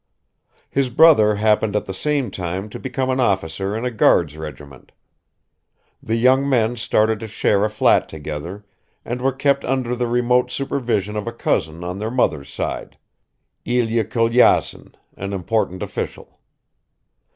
His brother happened at the same time to become an officer in a guards regiment. The young men started to share a flat together, and were kept under the remote supervision of a cousin on their mother's side, Ilya Kolyazin, an important official.